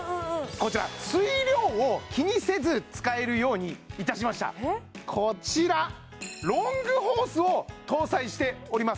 こちら水量を気にせず使えるようにいたしましたこちらロングホースを搭載しております